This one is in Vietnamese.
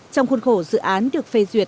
trong khuôn khổ dự án được phê duyệt